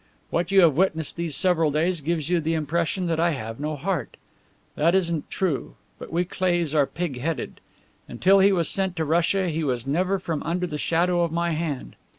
What you have witnessed these several days gives you the impression that I have no heart. That isn't true. But we Cleighs are pigheaded. Until he was sent to Russia he was never from under the shadow of my hand.